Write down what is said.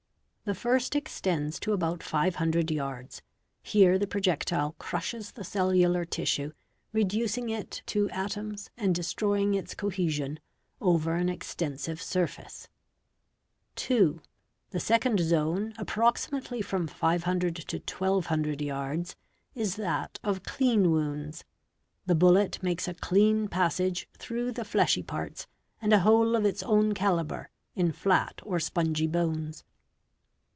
The first extends to about 500 yards. Here the projectile crushes the cellular tissue, reducing it to atoms and destroying its cohe sion, over an extensive surface. II. The second zone, approximately from 500 to 1200 yards, is — that of "clean"? wounds. The bullet makes a clean passage through the fleshy parts and a hole of its own calibre in flat or spongy bones.